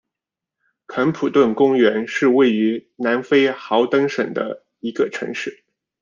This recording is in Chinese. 肯普顿公园是位于南非豪登省的一个城市。